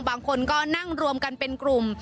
บางคนก็นั่งรวมกันเป็นกลุ่ม